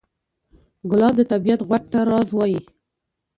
ګلاب د طبیعت غوږ ته راز وایي.